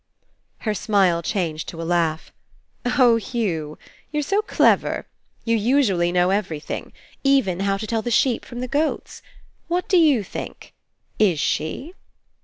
Her smile changed to a laugh. "Oh, Hugh! You're so clever. You usually know everything. Even how to tell the sheep from the goats. What do you think? Is she?"